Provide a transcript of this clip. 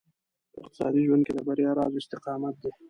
په اقتصادي ژوند کې د بريا راز استقامت دی.